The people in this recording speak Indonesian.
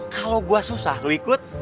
kalau gue susah lo ikut